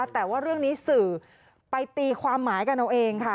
แต่ว่าเรื่องนี้สื่อไปตีความหมายกันเอาเองค่ะ